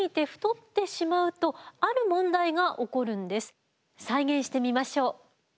実は再現してみましょう。